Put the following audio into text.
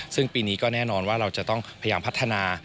ซึ่งปีนี้ก็แน่นอนว่าเราจะต้องพยายามพัฒนา